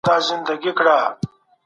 دا کالي دي مبارک سه.